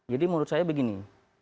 jadi menurut saya begini